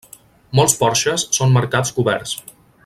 Molts porxes són mercats coberts.